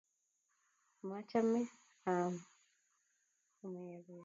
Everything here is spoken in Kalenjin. machame aame kumye beet